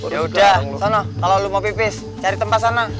yaudah sana kalau lo mau pipis cari tempat sana